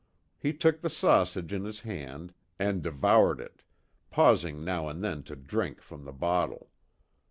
He took the sausage in his hand and devoured it, pausing now and then to drink from the bottle.